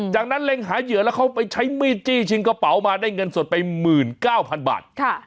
จากนั้นเร็งหาเหยื่อแล้วเขาไปใช้มือจี้ชิงกระเป๋ามาได้เงินสดไปหมื่นเก้าพันบาทค่ะ